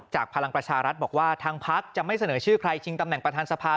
พลังประชารัฐบอกว่าทางพักจะไม่เสนอชื่อใครชิงตำแหน่งประธานสภา